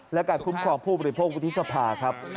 และการคุ้มครองผู้บริโภควุฒิสภาครับ